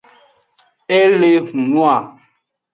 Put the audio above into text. E le hunua.